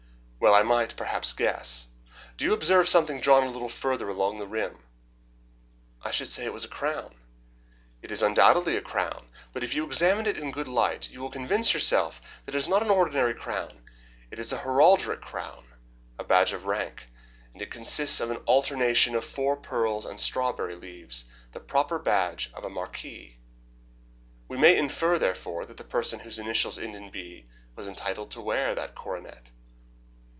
"Well, I might, perhaps, guess. Do you observe something drawn a little farther along the rim?" "I should say it was a crown." "It is undoubtedly a crown; but if you examine it in a good light, you will convince yourself that it is not an ordinary crown. It is a heraldic crown a badge of rank, and it consists of an alternation of four pearls and strawberry leaves, the proper badge of a marquis. We may infer, therefore, that the person whose initials end in B was entitled to wear that coronet."